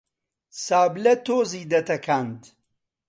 سابلە تۆزی دەتەکاند